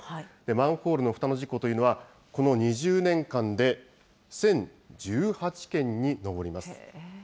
マンホールのふたの事故というのは、この２０年間で１０１８件に上ります。